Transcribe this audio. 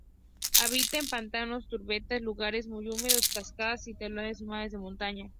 Habita en pantanos, turberas, lugares muy húmedos, cascadas y taludes húmedos de montaña.